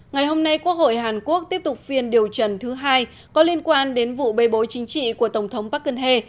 ngày hôm nay quốc hội hàn quốc tiếp tục phiên điều trần thứ hai có liên quan đến vụ bê bối chính trị của tổng thống park geun hye